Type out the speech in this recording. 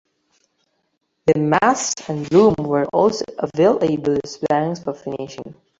The mast and boom were also available as "blanks" for finishing.